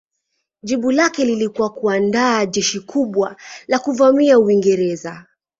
Jibu lake lilikuwa kuandaa jeshi kubwa la kuvamia Uingereza.